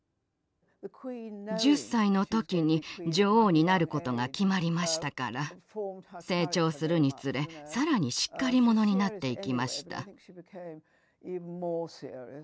１０歳の時に女王になることが決まりましたから成長するにつれ更にしっかり者になっていきました。